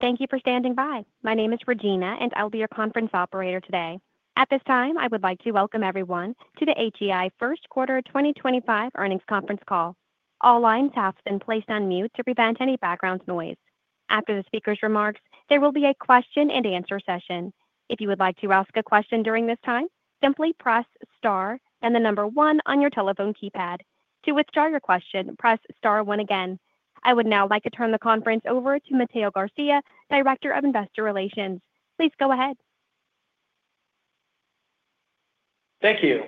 Thank you for standing by. My name is Regina, and I'll be your conference operator today. At this time, I would like to welcome everyone to the AGI First Quarter 2025 earnings conference call. All lines have been placed on mute to prevent any background noise. After the speaker's remarks, there will be a question-and-answer session. If you would like to ask a question during this time, simply press star and the number one on your telephone keypad. To withdraw your question, press star one again. I would now like to turn the conference over to Mateo Garcia, Director of Investor Relations. Please go ahead. Thank you.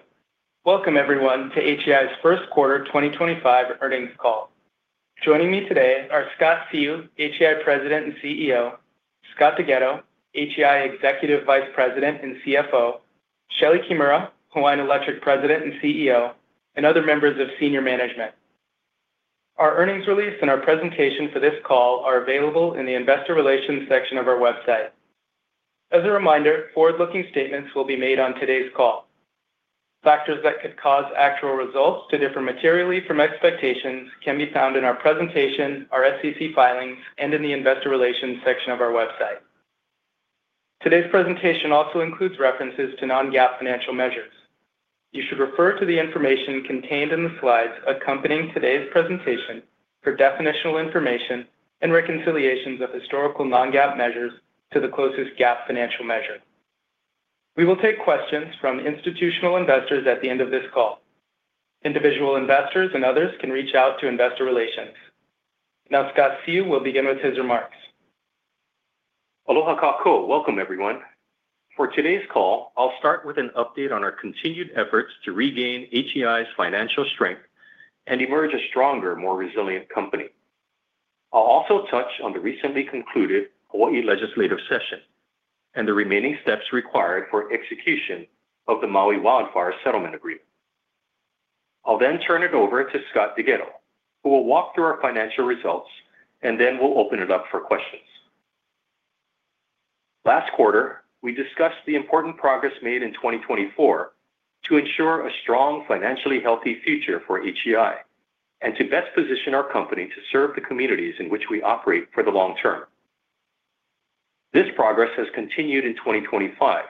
Welcome, everyone, to AGI's First Quarter 2025 earnings call. Joining me today are Scott Seu, AGI President and CEO; Scott Deghetto, AGI Executive Vice President and CFO; Shelee Kimura, Hawaiian Electric President and CEO; and other members of senior management. Our earnings release and our presentation for this call are available in the Investor Relations section of our website. As a reminder, forward-looking statements will be made on today's call. Factors that could cause actual results to differ materially from expectations can be found in our presentation, our SEC filings, and in the Investor Relations section of our website. Today's presentation also includes references to non-GAAP financial measures. You should refer to the information contained in the slides accompanying today's presentation for definitional information and reconciliations of historical non-GAAP measures to the closest GAAP financial measure. We will take questions from institutional investors at the end of this call. Individual investors and others can reach out to Investor Relations. Now, Scott Seu will begin with his remarks. Aloha kākou. Welcome, everyone. For today's call, I'll start with an update on our continued efforts to regain AGI's financial strength and emerge a stronger, more resilient company. I'll also touch on the recently concluded Hawai'i legislative session and the remaining steps required for execution of the Maui wildfire settlement agreement. I'll then turn it over to Scott Deghetto, who will walk through our financial results, and then we'll open it up for questions. Last quarter, we discussed the important progress made in 2024 to ensure a strong, financially healthy future for AGI and to best position our company to serve the communities in which we operate for the long term. This progress has continued in 2025,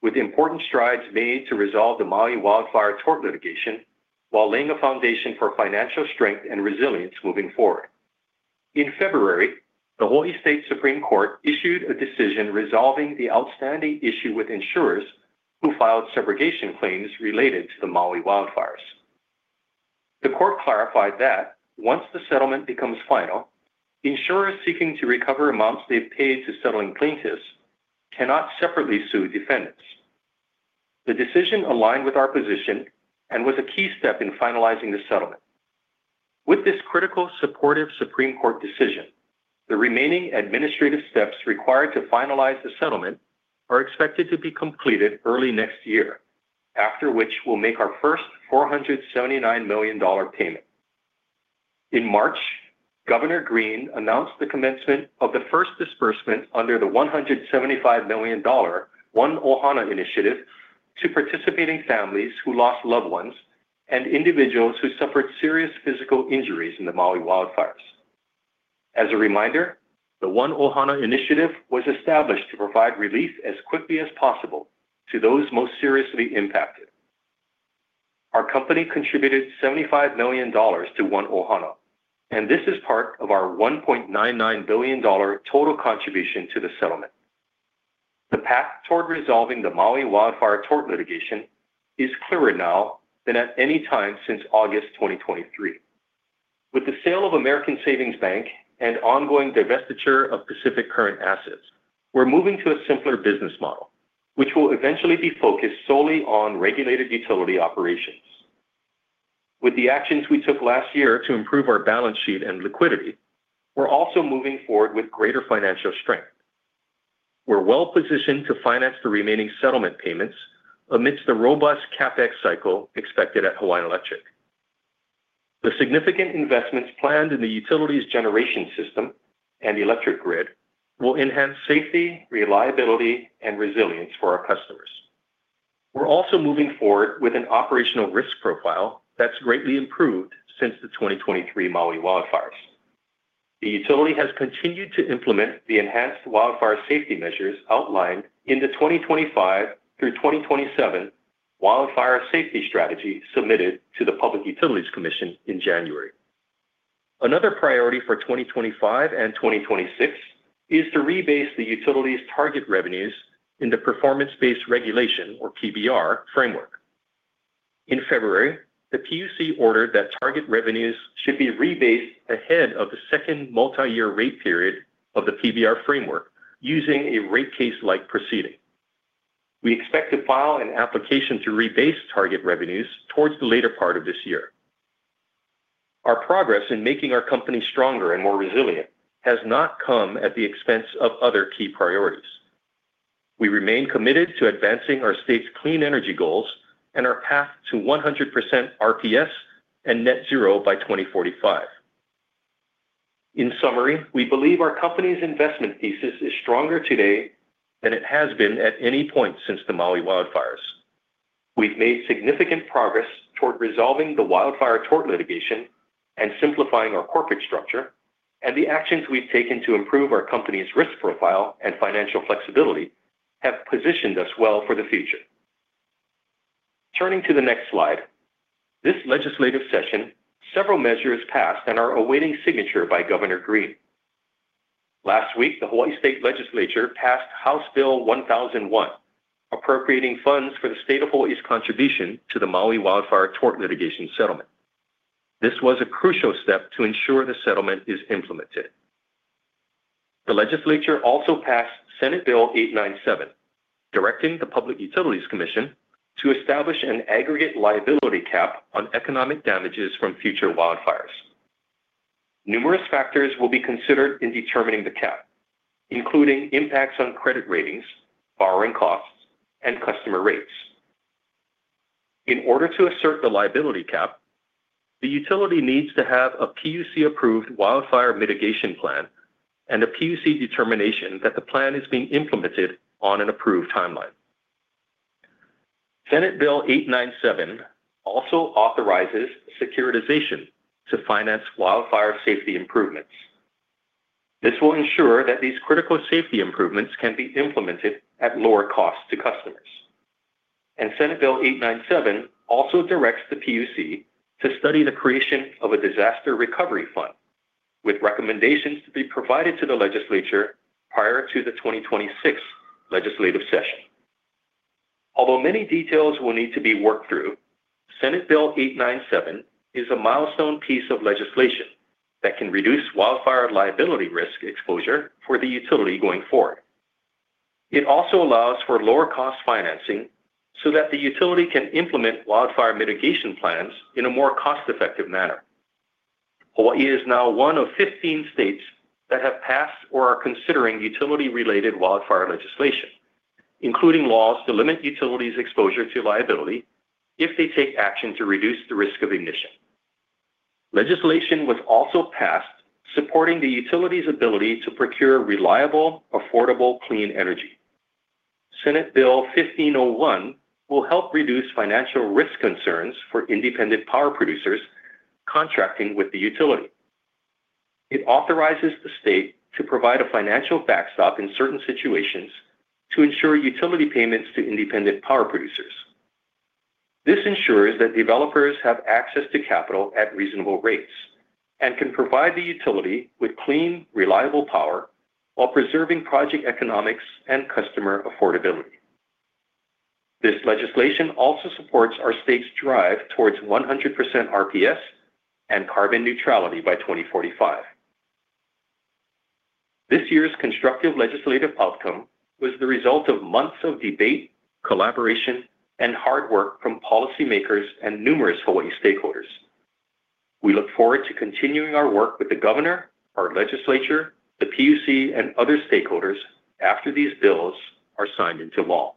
with important strides made to resolve the Maui wildfire tort litigation while laying a foundation for financial strength and resilience moving forward. In February, the Hawaii State Supreme Court issued a decision resolving the outstanding issue with insurers who filed subrogation claims related to the Maui wildfires. The court clarified that once the settlement becomes final, insurers seeking to recover amounts they've paid to settling plaintiffs cannot separately sue defendants. The decision aligned with our position and was a key step in finalizing the settlement. With this critical, supportive Supreme Court decision, the remaining administrative steps required to finalize the settlement are expected to be completed early next year, after which we'll make our first $479 million payment. In March, Governor Green announced the commencement of the first disbursement under the $175 million One 'Ohana Initiative to participating families who lost loved ones and individuals who suffered serious physical injuries in the Maui wildfires. As a reminder, the One 'Ohana Initiative was established to provide relief as quickly as possible to those most seriously impacted. Our company contributed $75 million to One 'Ohana, and this is part of our $1.99 billion total contribution to the settlement. The path toward resolving the Maui wildfire tort litigation is clearer now than at any time since August 2023. With the sale of American Savings Bank and ongoing divestiture of Pacific Current assets, we're moving to a simpler business model, which will eventually be focused solely on regulated utility operations. With the actions we took last year to improve our balance sheet and liquidity, we're also moving forward with greater financial strength. We're well-positioned to finance the remaining settlement payments amidst the robust CapEx cycle expected at Hawaiian Electric. The significant investments planned in the utility's generation system and electric grid will enhance safety, reliability, and resilience for our customers. We're also moving forward with an operational risk profile that's greatly improved since the 2023 Maui wildfires. The utility has continued to implement the enhanced wildfire safety measures outlined in the 2025-2027 wildfire safety strategy submitted to the Public Utilities Commission in January. Another priority for 2025 and 2026 is to rebase the utility's target revenues in the performance-based regulation, or PBR, framework. In February, the PUC ordered that target revenues should be rebased ahead of the second multi-year rate period of the PBR framework using a rate case-like proceeding. We expect to file an application to rebase target revenues towards the later part of this year. Our progress in making our company stronger and more resilient has not come at the expense of other key priorities. We remain committed to advancing our state's clean energy goals and our path to 100% RPS and net zero by 2045. In summary, we believe our company's investment thesis is stronger today than it has been at any point since the Maui wildfires. We've made significant progress toward resolving the wildfire tort litigation and simplifying our corporate structure, and the actions we've taken to improve our company's risk profile and financial flexibility have positioned us well for the future. Turning to the next slide, this legislative session, several measures passed and are awaiting signature by Governor Green. Last week, the Hawai'i State Legislature passed House Bill 1001, appropriating funds for the State of Hawai'i's contribution to the Maui wildfire tort litigation settlement. This was a crucial step to ensure the settlement is implemented. The legislature also passed Senate Bill 897, directing the Public Utilities Commission to establish an aggregate liability cap on economic damages from future wildfires. Numerous factors will be considered in determining the cap, including impacts on credit ratings, borrowing costs, and customer rates. In order to assert the liability cap, the utility needs to have a PUC-approved wildfire mitigation plan and a PUC determination that the plan is being implemented on an approved timeline. Senate Bill 897 also authorizes securitization to finance wildfire safety improvements. This will ensure that these critical safety improvements can be implemented at lower costs to customers. Senate Bill 897 also directs the PUC to study the creation of a disaster recovery fund, with recommendations to be provided to the legislature prior to the 2026 legislative session. Although many details will need to be worked through, Senate Bill 897 is a milestone piece of legislation that can reduce wildfire liability risk exposure for the utility going forward. It also allows for lower-cost financing so that the utility can implement wildfire mitigation plans in a more cost-effective manner. Hawaii is now one of 15 states that have passed or are considering utility-related wildfire legislation, including laws to limit utilities' exposure to liability if they take action to reduce the risk of ignition. Legislation was also passed supporting the utility's ability to procure reliable, affordable, clean energy. Senate Bill 1501 will help reduce financial risk concerns for independent power producers contracting with the utility. It authorizes the state to provide a financial backstop in certain situations to ensure utility payments to independent power producers. This ensures that developers have access to capital at reasonable rates and can provide the utility with clean, reliable power while preserving project economics and customer affordability. This legislation also supports our state's drive towards 100% RPS and carbon neutrality by 2045. This year's constructive legislative outcome was the result of months of debate, collaboration, and hard work from policymakers and numerous Hawai'i stakeholders. We look forward to continuing our work with the governor, our legislature, the PUC, and other stakeholders after these bills are signed into law.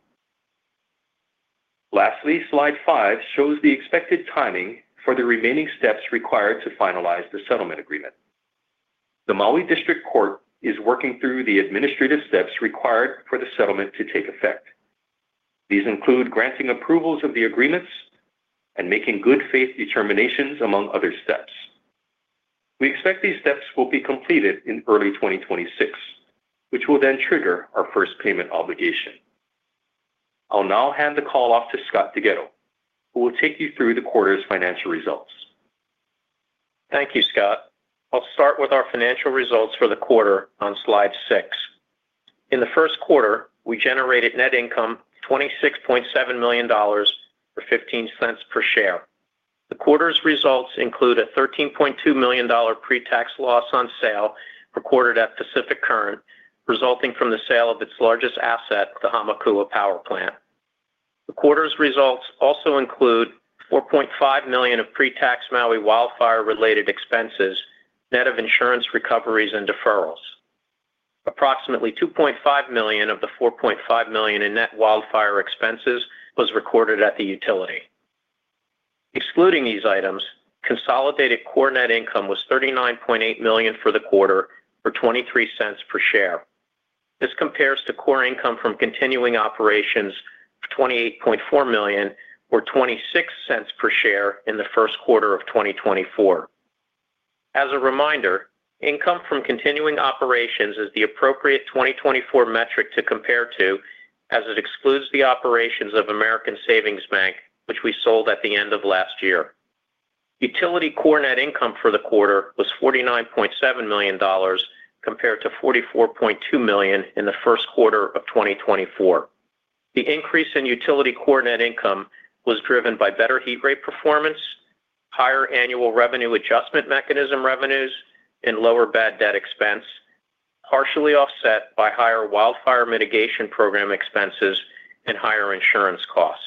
Lastly, slide five shows the expected timing for the remaining steps required to finalize the settlement agreement. The Maui District Court is working through the administrative steps required for the settlement to take effect. These include granting approvals of the agreements and making good faith determinations among other steps. We expect these steps will be completed in early 2026, which will then trigger our first payment obligation. I'll now hand the call off to Scott Deghetto, who will take you through the quarter's financial results. Thank you, Scott. I'll start with our financial results for the quarter on slide six. In the first quarter, we generated net income of $26.7 million or $0.15 per share. The quarter's results include a $13.2 million pre-tax loss on sale recorded at Pacific Current, resulting from the sale of its largest asset, the Hamakua Power Plant. The quarter's results also include $4.5 million of pre-tax Maui wildfire-related expenses, net of insurance recoveries and deferrals. Approximately $2.5 million of the $4.5 million in net wildfire expenses was recorded at the utility. Excluding these items, consolidated core net income was $39.8 million for the quarter or $0.23 per share. This compares to core income from continuing operations of $28.4 million or $0.26 per share in the first quarter of 2024. As a reminder, income from continuing operations is the appropriate 2024 metric to compare to, as it excludes the operations of American Savings Bank, which we sold at the end of last year. Utility core net income for the quarter was $49.7 million compared to $44.2 million in the first quarter of 2024. The increase in utility core net income was driven by better heat rate performance, higher annual revenue adjustment mechanism revenues, and lower bad debt expense, partially offset by higher wildfire mitigation program expenses and higher insurance costs.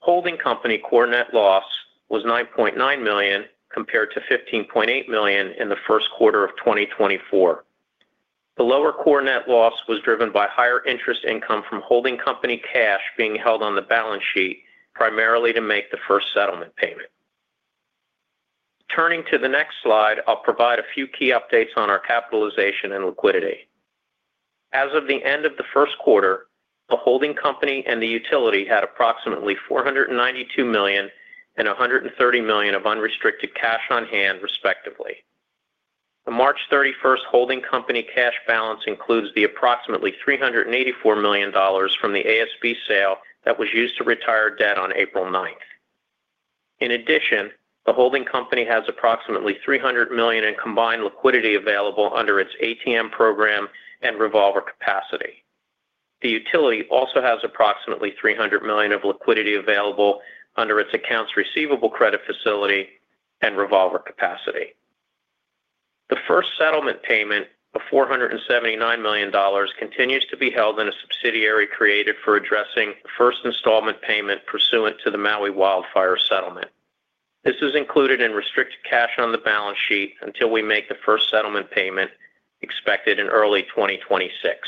Holding company core net loss was $9.9 million compared to $15.8 million in the first quarter of 2024. The lower core net loss was driven by higher interest income from holding company cash being held on the balance sheet primarily to make the first settlement payment. Turning to the next slide, I'll provide a few key updates on our capitalization and liquidity. As of the end of the first quarter, the holding company and the utility had approximately $492 million and $130 million of unrestricted cash on hand, respectively. The March 31st holding company cash balance includes the approximately $384 million from the ASB sale that was used to retire debt on April 9th. In addition, the holding company has approximately $300 million in combined liquidity available under its ATM program and revolver capacity. The utility also has approximately $300 million of liquidity available under its accounts receivable credit facility and revolver capacity. The first settlement payment of $479 million continues to be held in a subsidiary created for addressing the first installment payment pursuant to the Maui wildfire settlement. This is included in restricted cash on the balance sheet until we make the first settlement payment expected in early 2026.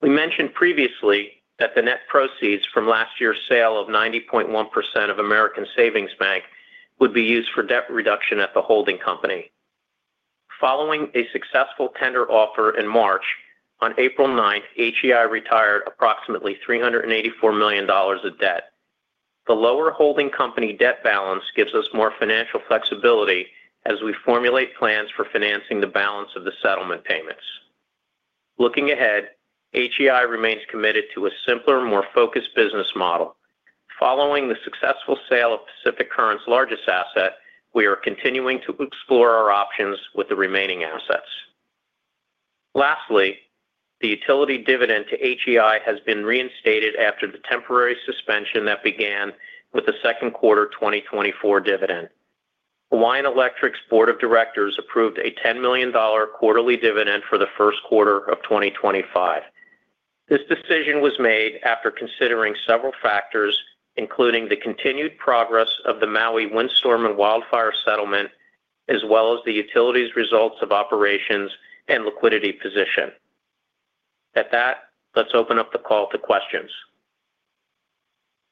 We mentioned previously that the net proceeds from last year's sale of 90.1% of American Savings Bank would be used for debt reduction at the holding company. Following a successful tender offer in March, on April 9th, HEI retired approximately $384 million of debt. The lower holding company debt balance gives us more financial flexibility as we formulate plans for financing the balance of the settlement payments. Looking ahead, HEI remains committed to a simpler, more focused business model. Following the successful sale of Pacific Current's largest asset, we are continuing to explore our options with the remaining assets. Lastly, the utility dividend to HEI has been reinstated after the temporary suspension that began with the second quarter 2024 dividend. Hawaiian Electric Industries' board of directors approved a $10 million quarterly dividend for the first quarter of 2025. This decision was made after considering several factors, including the continued progress of the Maui windstorm and wildfire settlement, as well as the utility's results of operations and liquidity position. At that, let's open up the call to questions.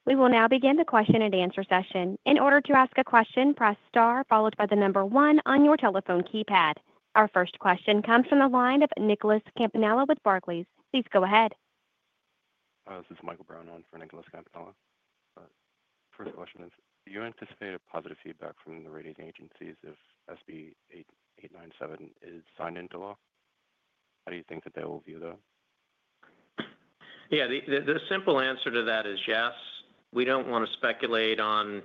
We will now begin the question and answer session. In order to ask a question, press star followed by the number one on your telephone keypad. Our first question comes from the line of Nicholas Campanella with Barclays. Please go ahead. This is Michael Brown on for Nicholas Campanella. First question is, do you anticipate a positive feedback from the rating agencies if SB 897 is signed into law? How do you think that they will view that? Yeah, the simple answer to that is yes. We don't want to speculate on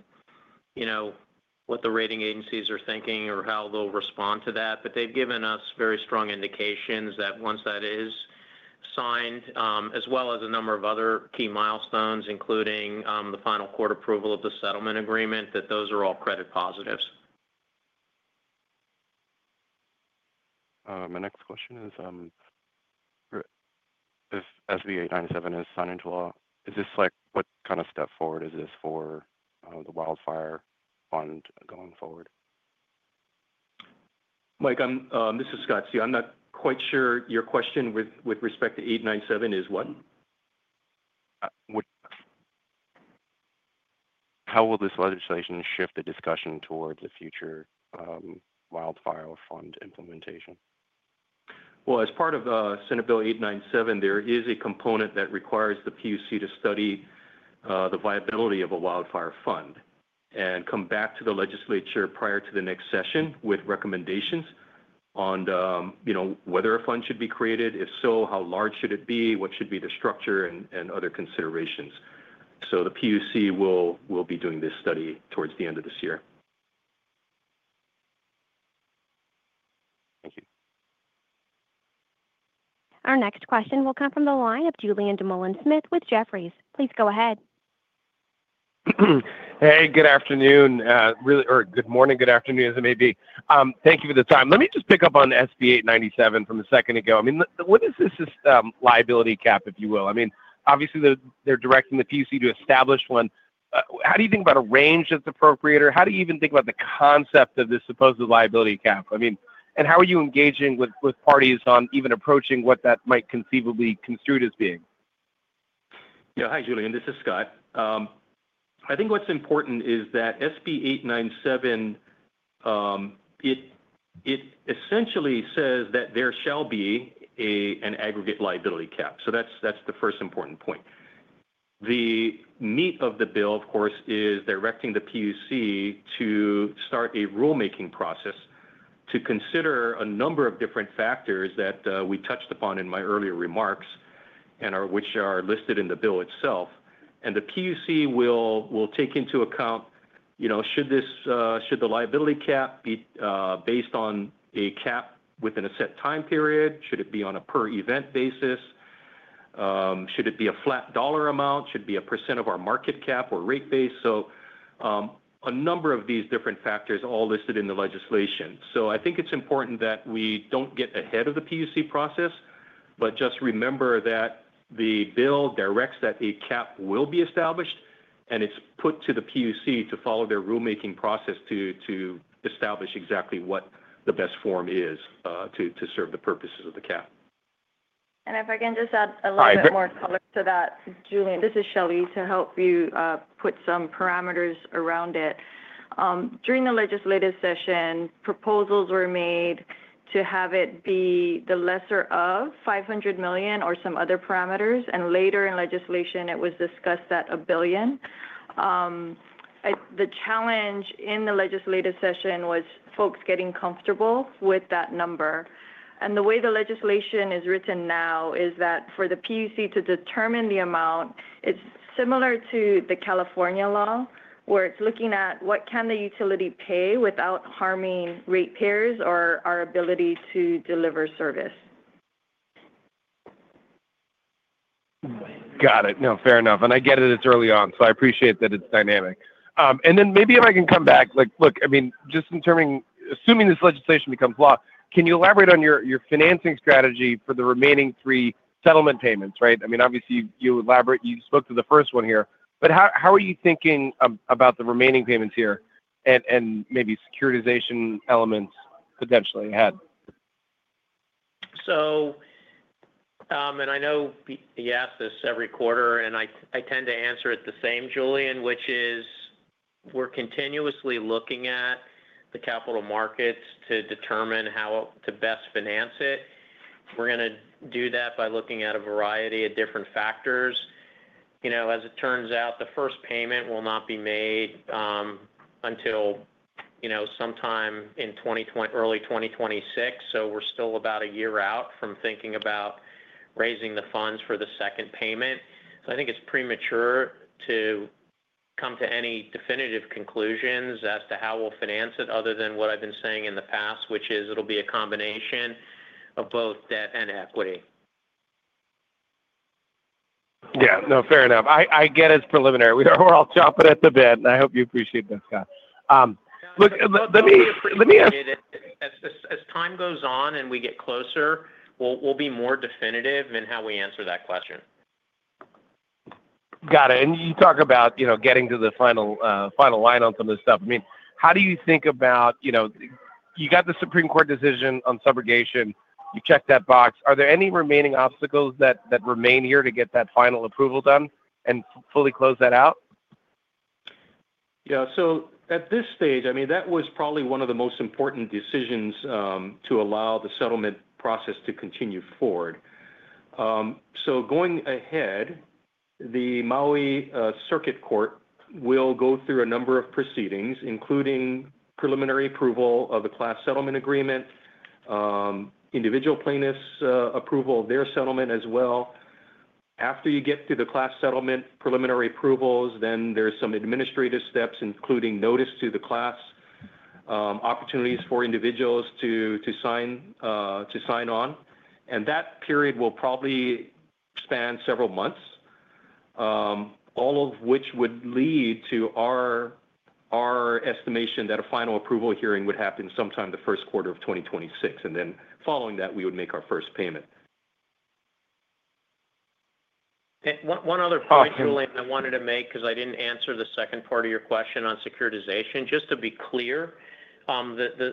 what the rating agencies are thinking or how they'll respond to that, but they've given us very strong indications that once that is signed, as well as a number of other key milestones, including the final court approval of the settlement agreement, that those are all credit positives. My next question is, if SB 897 is signed into law, what kind of step forward is this for the wildfire fund going forward? Mike, this is Scott Seu. I'm not quite sure your question with respect to 897 is what? How will this legislation shift the discussion towards the future wildfire fund implementation? As part of Senate Bill 897, there is a component that requires the PUC to study the viability of a wildfire fund and come back to the legislature prior to the next session with recommendations on whether a fund should be created. If so, how large should it be, what should be the structure, and other considerations. The PUC will be doing this study towards the end of this year. Thank you. Our next question will come from the line of Julien Dumoulin-Smith with Jefferies. Please go ahead. Hey, good afternoon. Or good morning, good afternoon as it may be. Thank you for the time. Let me just pick up on SB 897 from a second ago. I mean, what is this liability cap, if you will? I mean, obviously, they're directing the PUC to establish one. How do you think about a range that's appropriate? Or how do you even think about the concept of this supposed liability cap? I mean, and how are you engaging with parties on even approaching what that might conceivably be construed as being? Yeah, Hi, Julin. This is Scott. I think what's important is that SB 897, it essentially says that there shall be an aggregate liability cap. That's the first important point. The meat of the bill, of course, is directing the PUC to start a rulemaking process to consider a number of different factors that we touched upon in my earlier remarks, which are listed in the bill itself. The PUC will take into account, should the liability cap be based on a cap within a set time period? Should it be on a per event basis? Should it be a flat dollar amount? Should it be a percent of our market cap or rate base? A number of these different factors are all listed in the legislation. I think it's important that we don't get ahead of the PUC process, but just remember that the bill directs that a cap will be established, and it's put to the PUC to follow their rulemaking process to establish exactly what the best form is to serve the purposes of the cap. If I can just add a little bit more color to that, Julie, this is Shelee to help you put some parameters around it. During the legislative session, proposals were made to have it be the lesser of $500 million or some other parameters. Later in legislation, it was discussed at $1 billion. The challenge in the legislative session was folks getting comfortable with that number. The way the legislation is written now is that for the PUC to determine the amount, it's similar to the California law, where it's looking at what can the utility pay without harming ratepayers or our ability to deliver service. Got it. No, fair enough. I get it. It's early on, so I appreciate that it's dynamic. Maybe if I can come back, look, I mean, just assuming this legislation becomes law, can you elaborate on your financing strategy for the remaining three settlement payments, right? I mean, obviously, you spoke to the first one here, but how are you thinking about the remaining payments here and maybe securitization elements potentially ahead? I know you ask this every quarter, and I tend to answer it the same, Julien, which is we're continuously looking at the capital markets to determine how to best finance it. We're going to do that by looking at a variety of different factors. As it turns out, the first payment will not be made until sometime in early 2026. We're still about a year out from thinking about raising the funds for the second payment. I think it's premature to come to any definitive conclusions as to how we'll finance it other than what I've been saying in the past, which is it'll be a combination of both debt and equity. Yeah. No, fair enough. I get it's preliminary. We're all chomping at the bit. And I hope you appreciate that, Scott. Look, let me ask. As time goes on and we get closer, we'll be more definitive in how we answer that question. Got it. You talk about getting to the final line on some of this stuff. I mean, how do you think about you got the Supreme Court decision on subrogation. You checked that box. Are there any remaining obstacles that remain here to get that final approval done and fully close that out? Yeah. At this stage, I mean, that was probably one of the most important decisions to allow the settlement process to continue forward. Going ahead, the Maui Circuit Court will go through a number of proceedings, including preliminary approval of the class settlement agreement, individual plaintiffs' approval of their settlement as well. After you get through the class settlement preliminary approvals, there are some administrative steps, including notice to the class, opportunities for individuals to sign on. That period will probably span several months, all of which would lead to our estimation that a final approval hearing would happen sometime the first quarter of 2026. Following that, we would make our first payment. One other point, Julien, I wanted to make because I didn't answer the second part of your question on securitization. Just to be clear, the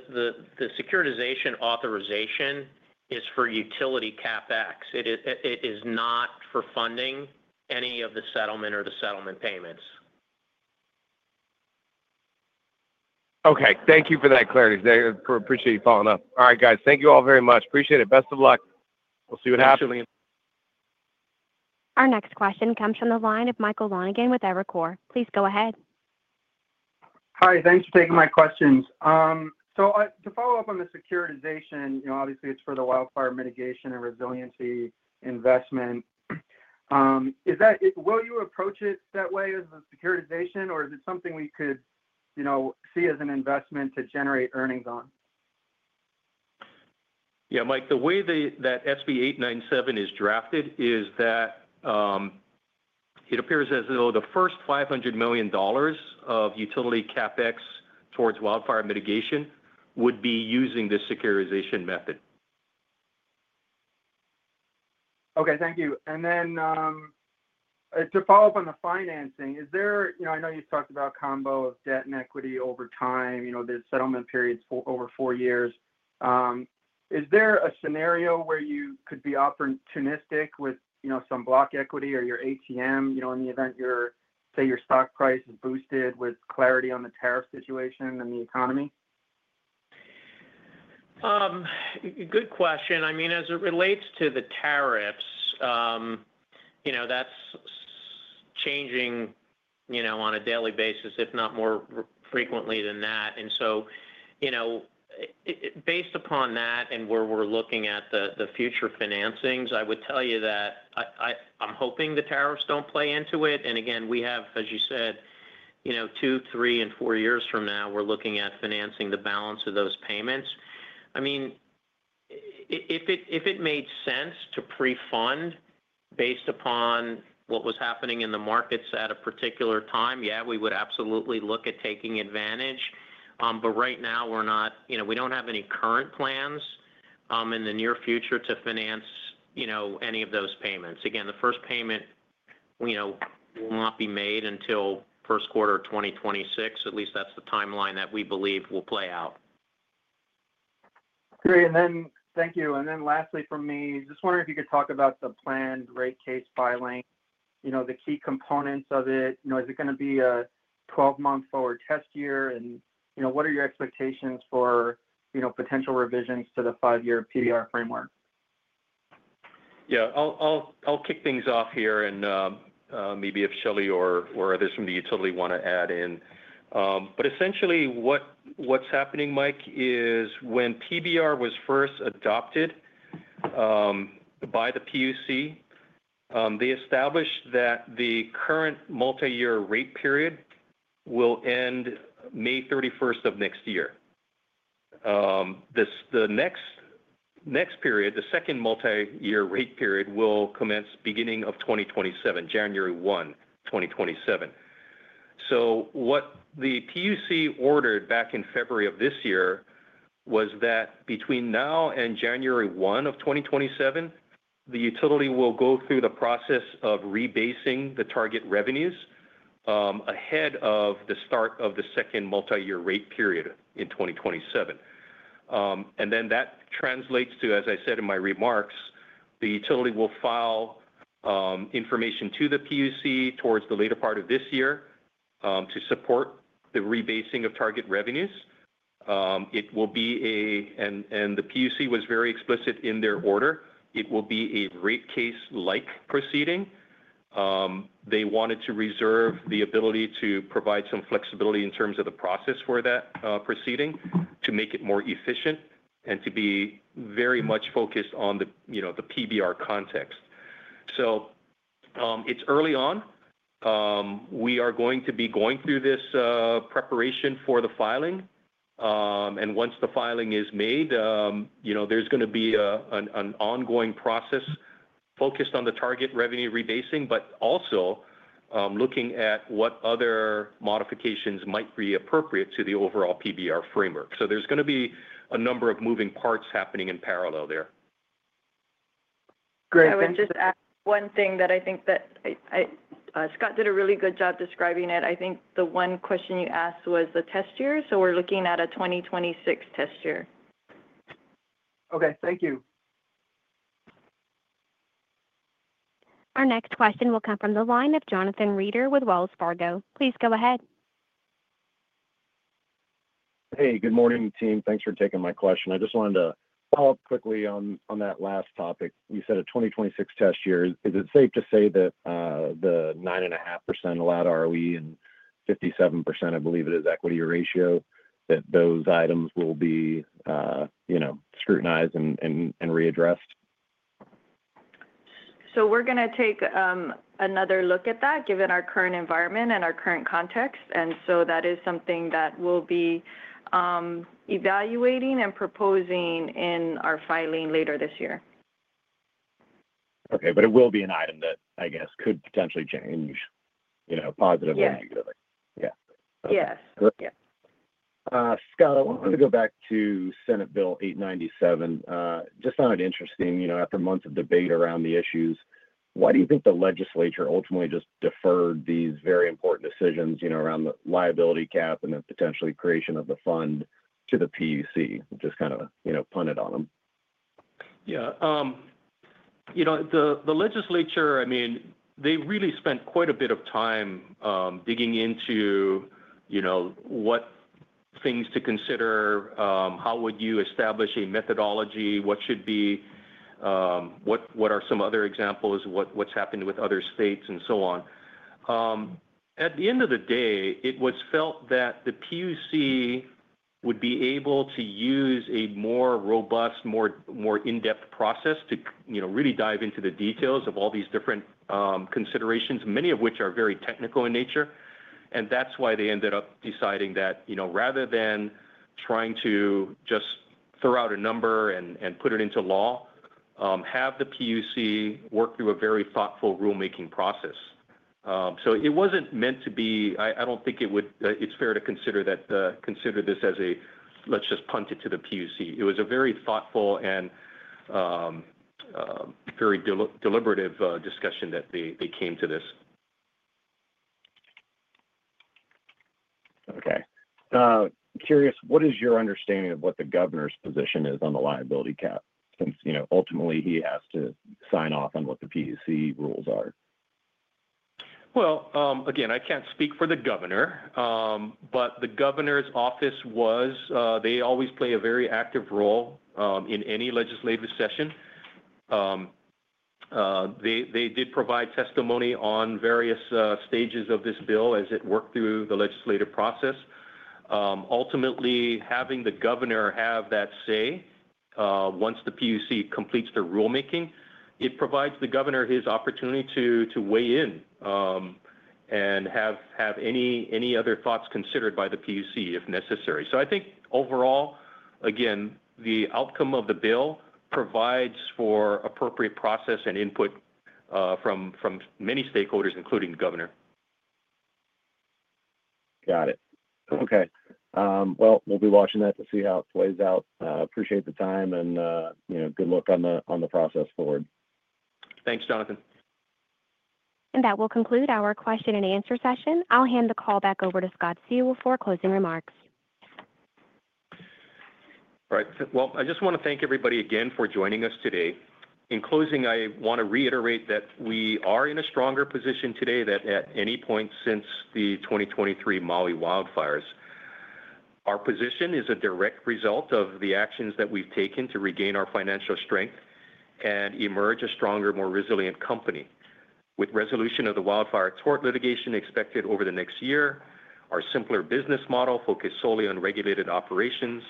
securitization authorization is for utility CapEx. It is not for funding any of the settlement or the settlement payments. Okay. Thank you for that clarity. Appreciate you following up. All right, guys. Thank you all very much. Appreciate it. Best of luck. We'll see what happens. Thanks, Julien. Our next question comes from the line of Michael Lonegan with Evercore. Please go ahead. Hi. Thanks for taking my questions. To follow up on the securitization, obviously, it's for the wildfire mitigation and resiliency investment. Will you approach it that way as the securitization, or is it something we could see as an investment to generate earnings on? Yeah, Mike, the way that SB 897 is drafted is that it appears as though the first $500 million of utility CapEx towards wildfire mitigation would be using this securitization method. Okay. Thank you. To follow up on the financing, I know you talked about a combo of debt and equity over time. There are settlement periods over four years. Is there a scenario where you could be opportunistic with some block equity or your ATM in the event, say, your stock price is boosted with clarity on the tariff situation and the economy? Good question. I mean, as it relates to the tariffs, that's changing on a daily basis, if not more frequently than that. Based upon that and where we're looking at the future financings, I would tell you that I'm hoping the tariffs don't play into it. Again, we have, as you said, two, three, and four years from now, we're looking at financing the balance of those payments. I mean, if it made sense to prefund based upon what was happening in the markets at a particular time, yeah, we would absolutely look at taking advantage. Right now, we don't have any current plans in the near future to finance any of those payments. Again, the first payment will not be made until first quarter of 2026. At least that's the timeline that we believe will play out. Great. Thank you. Lastly from me, just wondering if you could talk about the planned rate case filing, the key components of it. Is it going to be a 12-month forward test year? What are your expectations for potential revisions to the five-year PBR framework? Yeah. I'll kick things off here, and maybe if Shelee or others from the utility want to add in. Essentially, what's happening, Mike, is when PBR was first adopted by the PUC, they established that the current multi-year rate period will end May 31st of next year. The next period, the second multi-year rate period, will commence beginning of 2027, January 1, 2027. What the PUC ordered back in February of this year was that between now and January 1 of 2027, the utility will go through the process of rebasing the target revenues ahead of the start of the second multi-year rate period in 2027. That translates to, as I said in my remarks, the utility will file information to the PUC towards the later part of this year to support the rebasing of target revenues. It will be a, and the PUC was very explicit in their order, it will be a rate case-like proceeding. They wanted to reserve the ability to provide some flexibility in terms of the process for that proceeding to make it more efficient and to be very much focused on the PBR context. It is early on. We are going to be going through this preparation for the filing. Once the filing is made, there is going to be an ongoing process focused on the target revenue rebasing, but also looking at what other modifications might be appropriate to the overall PBR framework. There is going to be a number of moving parts happening in parallel there. Great. I would just add one thing that I think that Scott did a really good job describing it. I think the one question you asked was the test year. So we're looking at a 2026 test year. Okay. Thank you. Our next question will come from the line of Jonathan Reeder with Wells Fargo. Please go ahead. Hey, good morning, team. Thanks for taking my question. I just wanted to follow up quickly on that last topic. You said a 2026 test year. Is it safe to say that the 9.5% allowed ROE and 57%, I believe it is, equity ratio, that those items will be scrutinized and readdressed? We're going to take another look at that given our current environment and our current context. That is something that we'll be evaluating and proposing in our filing later this year. Okay. But it will be an item that, I guess, could potentially change positively or negatively. Yes. Yes. Yes. Scott, I wanted to go back to Senate Bill 897. Just found it interesting. After months of debate around the issues, why do you think the legislature ultimately just deferred these very important decisions around the liability cap and the potential creation of the fund to the PUC, just kind of punted on them? Yeah. The legislature, I mean, they really spent quite a bit of time digging into what things to consider, how would you establish a methodology, what are some other examples, what's happened with other states, and so on. At the end of the day, it was felt that the PUC would be able to use a more robust, more in-depth process to really dive into the details of all these different considerations, many of which are very technical in nature. That is why they ended up deciding that rather than trying to just throw out a number and put it into law, have the PUC work through a very thoughtful rulemaking process. It was not meant to be—I do not think it would—it is fair to consider this as a, "Let's just punt it to the PUC." It was a very thoughtful and very deliberative discussion that they came to this. Okay. Curious, what is your understanding of what the governor's position is on the liability cap since ultimately he has to sign off on what the PUC rules are? I can't speak for the governor, but the governor's office was—they always play a very active role in any legislative session. They did provide testimony on various stages of this bill as it worked through the legislative process. Ultimately, having the governor have that say once the PUC completes the rulemaking, it provides the governor his opportunity to weigh in and have any other thoughts considered by the PUC if necessary. I think overall, again, the outcome of the bill provides for appropriate process and input from many stakeholders, including the governor. Got it. Okay. We'll be watching that to see how it plays out. Appreciate the time and good luck on the process forward. Thanks, Jonathan. That will conclude our question and answer session. I'll hand the call back over to Scott Seu for closing remarks. All right. I just want to thank everybody again for joining us today. In closing, I want to reiterate that we are in a stronger position today than at any point since the 2023 Maui wildfires. Our position is a direct result of the actions that we've taken to regain our financial strength and emerge a stronger, more resilient company with resolution of the wildfire tort litigation expected over the next year, our simpler business model focused solely on regulated operations,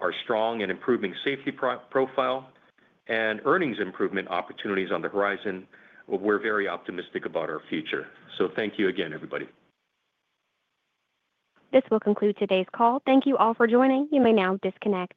our strong and improving safety profile, and earnings improvement opportunities on the horizon. We're very optimistic about our future. Thank you again, everybody. This will conclude today's call. Thank you all for joining. You may now disconnect.